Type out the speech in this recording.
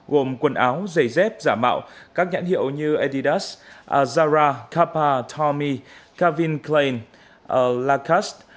gồm quần áo giày dép giả mạo các nhãn hiệu như adidas zara kappa tommy calvin klein lacoste